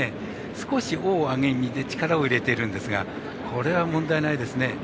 少し尾を上げ気味で力を入れてるんですがこれは問題ないですね。